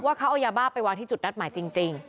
เขาเอายาบ้าไปวางที่จุดนัดหมายจริง